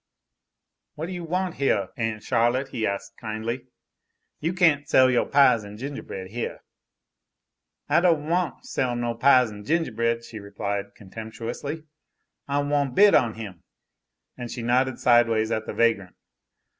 "What do you want heah, Aun' Charlotte?" he asked kindly. "You can't sell yo' pies an' gingerbread heah." "I don' wan' sell no pies en gingerbread," she replied, contemptuously. "I wan' bid on him," and she nodded sidewise at the vagrant.